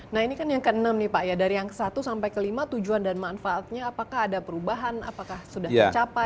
nah ini kan yang ke enam nih pak ya dari yang satu sampai ke lima tujuan dan manfaatnya apakah ada perubahan apakah sudah tercapai